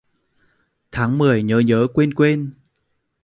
Tháng mười nhớ nhớ quên quên